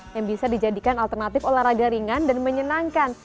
yang bisa dijadikan alternatif olahraga ringan dan menyenangkan